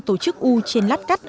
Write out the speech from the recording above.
tổ chức u trên lát cắt